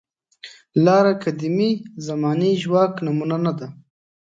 لاره قدیمې زمانې ژواک نمونه نه ده.